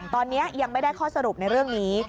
ตอนนี้ยังไม่ได้ข้อสรุปในเรื่องนี้